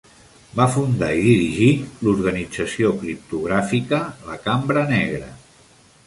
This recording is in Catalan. Va fundar i dirigir l'organització criptogràfica la Cambra Negra.